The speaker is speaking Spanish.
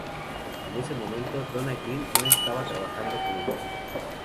En ese momento, Donna Jean no estaba trabajando como músico.